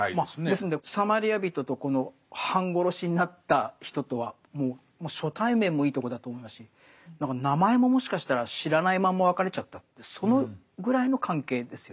ですんでサマリア人とこの半殺しになった人とはもう初対面もいいとこだと思いますし名前ももしかしたら知らないまんま別れちゃったそのぐらいの関係ですよね。